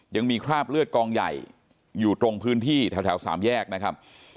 ยังมีคราบเลือดกองใหญ่อยู่ตรงพื้นที่แถวสามแยกนะครับ